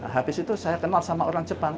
habis itu saya kenal sama orang jepang